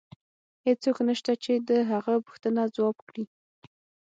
هیڅوک نشته چې د هغه پوښتنه ځواب کړي